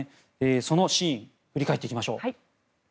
そのシーン振り返っていきましょう。